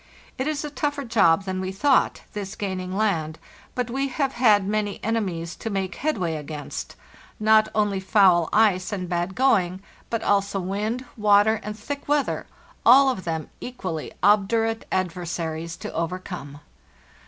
It is a tougher job than we thought, this gaining land, but we have had many enemies to make headway against—not only foul ice and bad going, but 200 FARTHEST NORTH also wind, water, and thick weather—all of them equally obdurate adversaries to overcome.